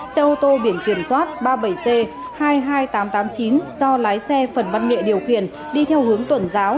xe ô tô biển kiểm soát ba mươi bảy c hai mươi hai nghìn tám trăm tám mươi chín do lái xe phần văn nghệ điều khiển đi theo hướng tuần giáo